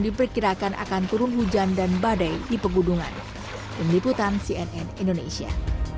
diperkirakan akan turun hujan dan badai di pegunungan tim liputan cnn indonesia